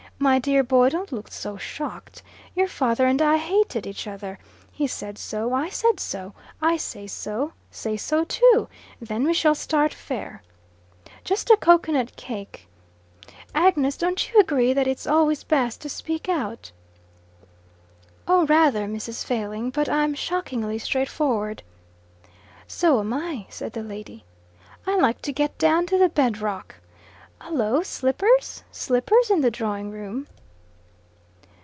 My dear boy, don't look so shocked. Your father and I hated each other. He said so, I said so, I say so; say so too. Then we shall start fair. Just a cocoanut cake. Agnes, don't you agree that it's always best to speak out?" "Oh, rather, Mrs. Failing. But I'm shockingly straightforward." "So am I," said the lady. "I like to get down to the bedrock. Hullo! Slippers? Slippers in the drawingroom?"